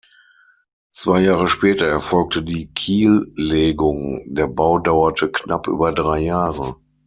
Zwei Jahre später erfolgte die Kiellegung, der Bau dauerte knapp über drei Jahre.